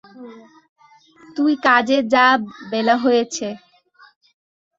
তুই কাজে যা, বেলা হইয়াছে।